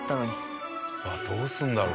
どうするんだろう？